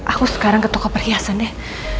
aku sekarang ke toko perhiasan deh